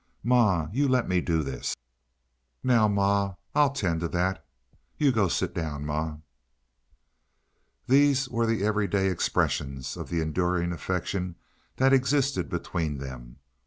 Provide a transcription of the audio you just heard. "Ma, you let me do this." "Now, ma, I'll 'tend to that." "You go sit down, ma." These were the every day expressions of the enduring affection that existed between them.